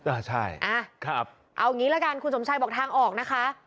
เอาอย่างนี้ละกันคุณสมชัยบอกทางออกนะคะ